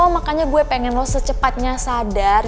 makanya gue pengen lo secepatnya sadar